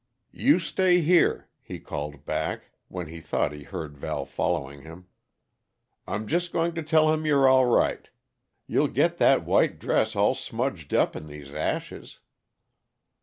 "You stay there," he called back, when he thought he heard Val following him. "I'm just going to tell him you're all right. You'll get that white dress all smudged up in these ashes."